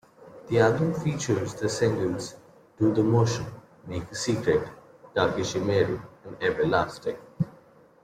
The album features the singles Do the Motion, Make a Secret, Dakishimeru, and Everlasting.